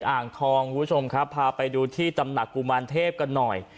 อ่างทองคุณผู้ชมครับพาไปดูที่ตำหนักกุมารเทพกันหน่อย